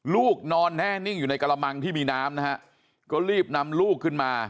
ลูกนอนแน่นิ่งอยู่ในกระมังที่มีน้ำนะฮะก็รีบนำลูกขึ้นมา